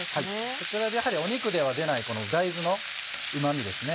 こちらでやはり肉では出ないこの大豆のうまみですね。